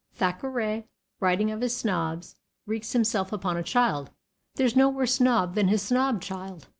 Thackeray, writing of his snobs, wreaks himself upon a child; there is no worse snob than his snob child.